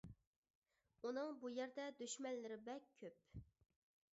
ئۇنىڭ بۇ يەردە دۈشمەنلىرى بەك كۆپ.